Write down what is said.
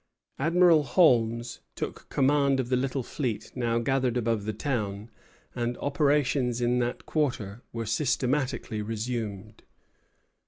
Admiral Holmes took command of the little fleet now gathered above the town, and operations in that quarter were systematically resumed.